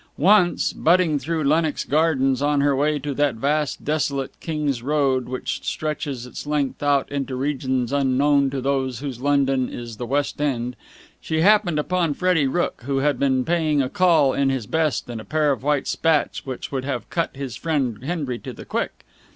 Once, butting through Lennox Gardens on her way to that vast, desolate King's Road which stretches its length out into regions unknown to those whose London is the West End, she happened upon Freddie Rooke, who had been paying a call in his best, and a pair of white spats which would have cut his friend Henry to the quick.